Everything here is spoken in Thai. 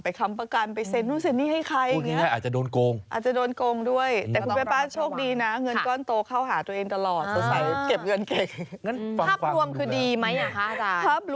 ค้ำประกันไปเซ็นนู่นเซ็นนี่ให้ใคร